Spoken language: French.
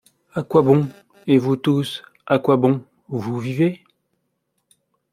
À quoi bon ? et vous tous, à quoi bon ? vous vivez ;